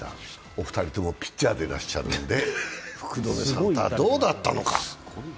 お二人ともピッチャーでいらっしゃるので、福留さんとはどうだったのか？